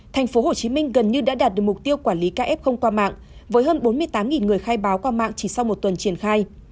tp hcm gần như đã đạt được mục tiêu quản lý kf qua mạng với hơn bốn mươi tám người khai báo qua mạng chỉ sau một tuần triển khai